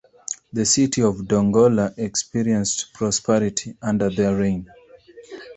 The city of Dongola experienced prosperity under their reign.